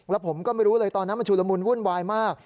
แล้วผมก็ไม่รู้เลยตอนนั้นมันชุลมุนวุ่นวายมาก